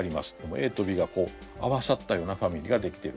ＡとＢが合わさったようなファミリーが出来ている。